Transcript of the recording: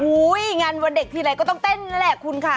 หูยงานวันเด็กทีไหร่ก็ต้องเต้นแหละคุณคะ